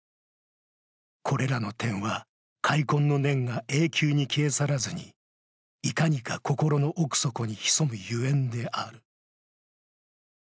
これらの点は開墾の念が永久に消え去らずにいかにかここの奥底に潜むゆえんである。